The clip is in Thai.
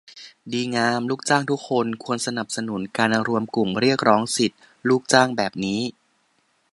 ดีงาม ลูกจ้างทุกคนควรสนับสนุนการรวมกลุ่มเรียกร้องสิทธิ์ลูกจ้างแบบนี้